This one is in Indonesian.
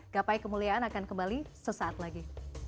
gapai kemuliaan akan kembali sesaat lagi